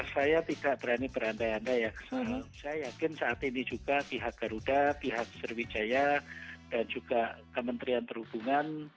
saya tidak berani berandai andai ya saya yakin saat ini juga pihak garuda pihak sriwijaya dan juga kementerian perhubungan